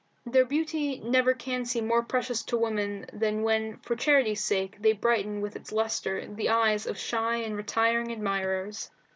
Their beauty never can seem more precious to women than when for charity's sake they brighten with its lustre the eyes of shy and retiring admirers.